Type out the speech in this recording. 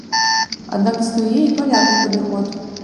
Аднак існуе і палярны падыход.